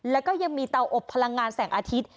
แล้วก็ยังมีเตาอบพลังงานแสงอาทิตย์